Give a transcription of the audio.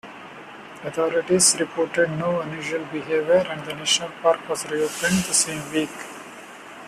Authorities reported no unusual behavior and the national park was reopened the same week.